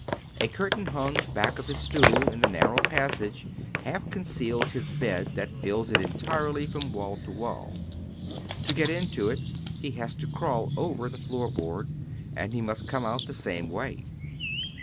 A curtain hung back of his stool in the narrow passage Half conceals his bed that fills it entirely from wall to wall. To get into it he has to crawl over the foot board, and he must come out the same way.